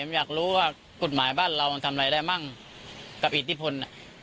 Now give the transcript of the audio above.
ผมอยากรู้ว่ากฎหมายบ้านเรามันทำอะไรได้มั่งกับอิทธิพล